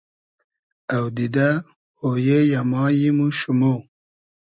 اودیدۂ ، اۉیې یۂ ، مایم و شومۉ